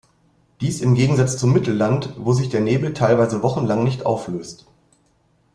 Dies im Gegensatz zum Mittelland, wo sich der Nebel teilweise wochenlang nicht auflöst.